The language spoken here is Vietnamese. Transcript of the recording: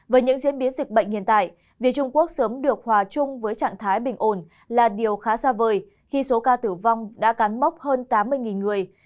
với những diễn biến dịch bệnh hiện tại vì trung quốc sớm được hòa chung với trạng thái bình ổn là điều khá xa vời khi số ca tử vong đã cán mốc hơn tám mươi người